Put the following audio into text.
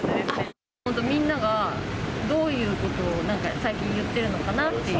本当、みんながどういうことをなんか最近、言ってるのかなっていう。